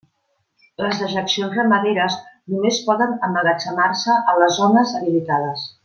Les dejeccions ramaderes només poden emmagatzemar-se en les zones habilitades.